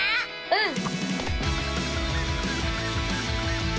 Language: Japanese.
うん！